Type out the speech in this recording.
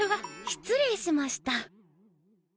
失礼しました。